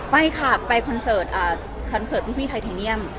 ไปค่ะไปคอนเสิร์ตคอนเสิร์ตรุ่นพี่ไทเทเนียม